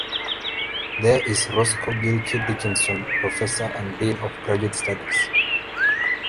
There he is Roscoe Gilkey Dickinson Professor and Dean of graduate studies.